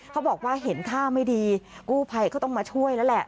เขาบอกว่าเห็นท่าไม่ดีกู้ภัยก็ต้องมาช่วยแล้วแหละ